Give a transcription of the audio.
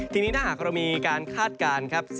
ทีนี้ถ้าหากเรามีการคาดการณ์ครับ